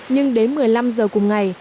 nhưng đến một mươi năm giờ cùng ngày